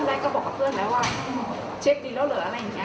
แรกก็บอกกับเพื่อนแล้วว่าเช็คดีแล้วเหรออะไรอย่างนี้